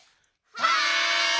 はい！